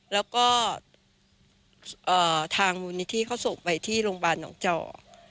แล้วก็ทางมูลนิธิเขาส่งไปที่โรงพยาบาลหนองจอก